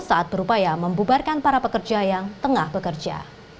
saat berupaya membubarkan para pekerja yang tengah bekerja